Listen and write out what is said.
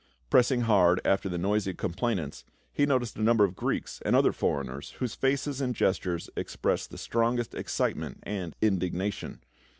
Press ing hard after the noisy complainants, he noticed a number of Greeks and other foreigners, whose faces and gestures expressed the strongest excitement and indig nation.